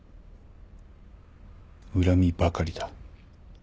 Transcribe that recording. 恨みばかりだ。